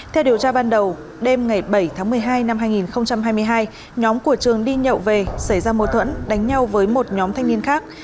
theo điều tra ban đầu đêm ngày bảy tháng một mươi hai năm hai nghìn hai mươi hai nhóm của trường đi nhậu về xảy ra mô thuẫn đánh nhau với một nhóm thanh niên khác